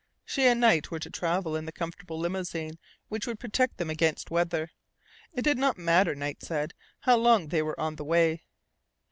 She and Knight were to travel in the comfortable limousine which would protect them against weather. It did not matter, Knight said, how long they were on the way.